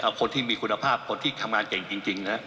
คนที่มีคุณภาพคนที่ทำงานเก่งจริงนะ